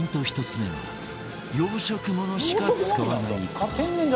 １つ目は養殖ものしか使わない事